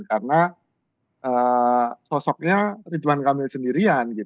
karena sosoknya ridwan kamil sendirian